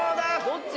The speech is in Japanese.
どっち？